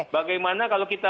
bagaimana kalau kita